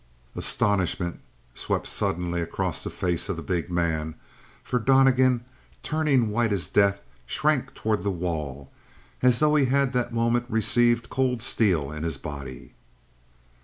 Astonishment swept suddenly across the face of the big man, for Donnegan, turning white as death, shrank toward the wall as though he had that moment received cold steel in his body.